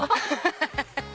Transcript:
ハハハハ！